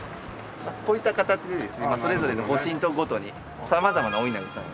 こういった形でですねそれぞれの御神徳ごとに様々なお稲荷さんが。